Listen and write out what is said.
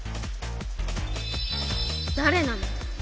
誰なの？